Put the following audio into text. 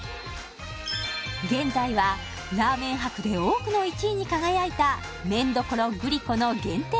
現在はラーメン博で多くの１位に輝いた麺処ぐり虎の限定